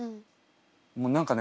もう何かね